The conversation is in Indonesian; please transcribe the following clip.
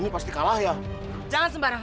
aku tidak kalah